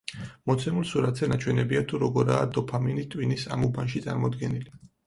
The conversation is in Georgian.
მოცემულ სურათზე ნაჩვენებია თუ როგორაა დოფამინი ტვინის ამ უბანში წარმოდგენილი.